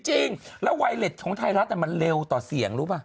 จริงแล้วไวเล็ตของไทยรัฐมันเร็วต่อเสียงรู้ป่ะ